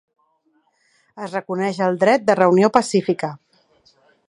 Es reconeix el dret de reunió pacífica.